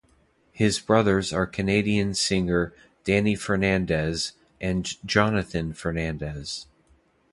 His brothers are Canadian singer Danny Fernandes and Jonathan Fernandes.